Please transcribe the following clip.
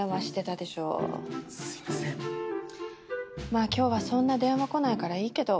まあ今日はそんな電話来ないからいいけど。